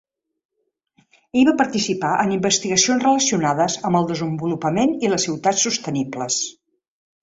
Ell va participar en investigacions relacionades amb el desenvolupament i les ciutats sostenibles.